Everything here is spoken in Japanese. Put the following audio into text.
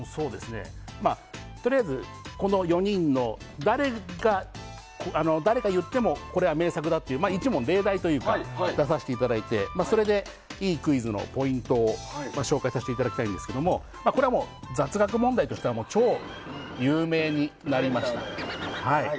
とりあえずこの４人の誰が言ってもこれは名作だという１問例題を出させていただいて、それでいいクイズのポイントを紹介させていただきたいんですがこれは雑学問題としては超有名になりました。